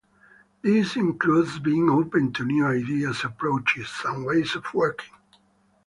This includes being open to new ideas, approaches, and ways of working.